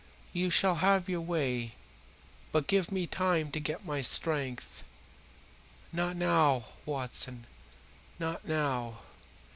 You shall have your way, but give me time to get my strength. Not now, Watson, not now.